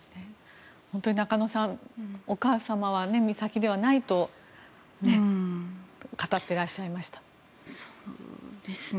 本当に中野さんお母様は美咲ではないと語っていらっしゃいました。